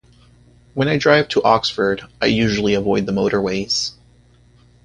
When I drive to Oxford I usually avoid the motorways.